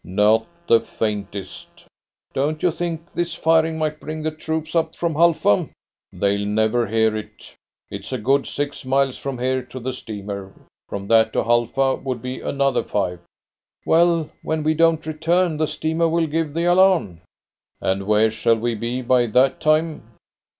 "Not the faintest." "Don't you think this firing might bring the troops up from Halfa?" "They'll never hear it. It is a good six miles from here to the steamer. From that to Halfa would be another five." "Well, when we don't return, the steamer will give the alarm." "And where shall we be by that time?"